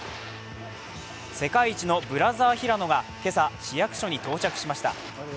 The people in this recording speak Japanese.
世界一のブラザー平野が今朝、市役所に到着しました。